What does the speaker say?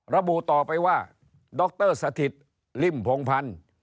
ระบุต่อไปว่าดรสถิตริ่มพงพันธ์